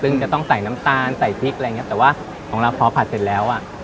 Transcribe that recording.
ซึ่งจะต้องใส่น้ำตาลใส่พริกอะไรอย่างเงี้แต่ว่าของเราพอผัดเสร็จแล้วอ่ะ